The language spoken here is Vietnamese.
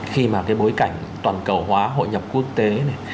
khi mà cái bối cảnh toàn cầu hóa hội nhập quốc tế này